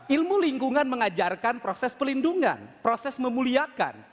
ilmu lingkungan mengajarkan proses pelindungan proses memuliakan